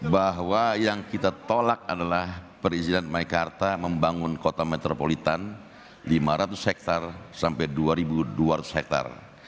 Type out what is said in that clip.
bahwa yang kita tolak adalah perizinan mei karta membangun kota metropolitan lima ratus hektar sampai dua dua ratus hektar